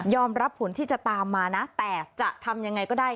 รับผลที่จะตามมานะแต่จะทำยังไงก็ได้